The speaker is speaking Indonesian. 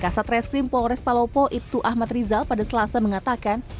kasat reskrim polres palopo ibtu ahmad rizal pada selasa mengatakan